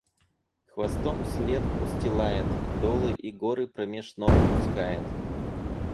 Хвостом след устилает, долы и горы промеж ног пускает.